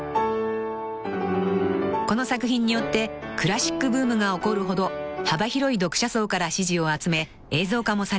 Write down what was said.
［この作品によってクラシックブームが起こるほど幅広い読者層から支持を集め映像化もされました］